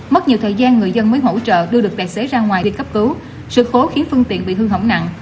mất nhiều thời gian người dân mới hỗ trợ đưa được tài xế ra ngoài đi cấp cứu sự cố khiến phương tiện bị hư hỏng nặng